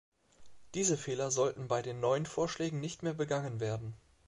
Diese Fehler sollten bei den neuen Vorschlägen nicht mehr begangen werden.